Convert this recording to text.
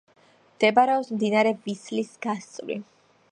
მდებარეობს მდინარე ვისლის გასწვრივ.